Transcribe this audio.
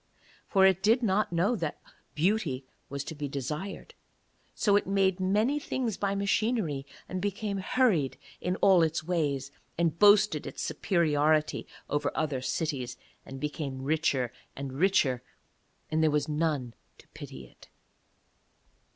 For it did not know that beauty was to be desired; so it made many things by machinery, and became hurried in all its ways, and boasted its superiority over other cities and became richer and richer, and there was none to pity it.